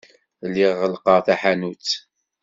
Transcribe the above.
Lliɣ ɣellqeɣ taḥanut.